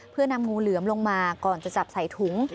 เพื่อนำงูเหลือมลงมาก่อนจะจับใส่ถุง